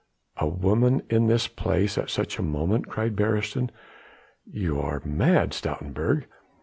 "A woman in this place at such a moment," cried Beresteyn; "you are mad, Stoutenburg."